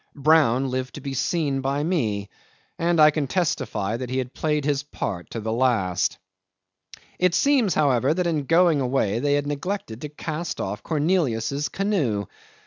Brown lived to be seen by me, and I can testify that he had played his part to the last. 'It seems, however, that in going away they had neglected to cast off Cornelius's canoe.